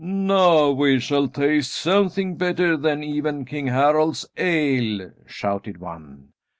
"Now we shall taste something better than even King Harald's ale," shouted one.